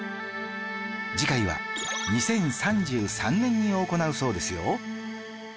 次回は２０３３年に行うそうですよ